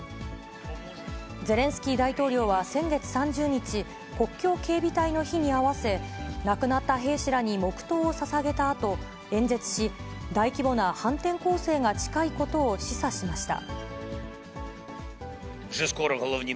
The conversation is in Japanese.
ゼレンスキー大統領は先月３０日、国境警備隊の日に合わせ、亡くなった兵士らに黙とうをささげたあと、演説し、大規模な反転攻勢が近いことを示唆しました。